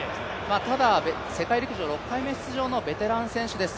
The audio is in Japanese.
ただ、世界陸上６回目出場のベテラン選手です。